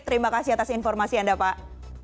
terima kasih atas informasi anda pak